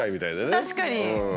確かに。